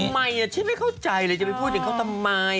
ทำไมอ่ะฉันไม่เข้าใจเลยจะไม่พูดถึงเขาทำไม